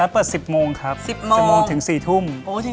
เปิด๑๐โมงครับ๑๐โมงถึง๔ทุ่ม